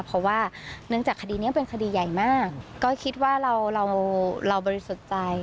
เพราะว่าเนื่องจากคดีนี้เป็นคดีใหญ่มากก็คิดว่าเราเราบริสุทธิ์ใจ